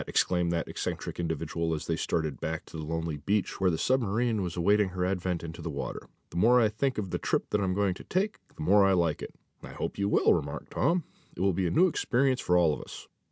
exclaimed that eccentric individual as they started back to the lonely beach where the submarine was awaiting her advent into the water. "The more I think of the trip I'm going to take, the more I like it." "I hope you will," remarked Tom. "It will be a new experience for all of us.